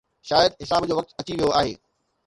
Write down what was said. شايد حساب جو وقت اچي ويو آهي.